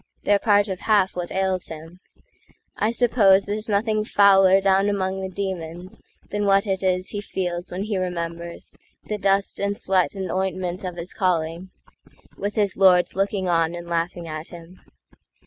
They're part of half what ails him: I supposeThere's nothing fouler down among the demonsThan what it is he feels when he remembersThe dust and sweat and ointment of his callingWith his lords looking on and laughing at him.